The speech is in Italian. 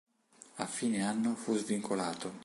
A fine anno fu svincolato.